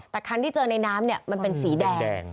แต่คันที่เจอในน้ำมันเป็นสีแดง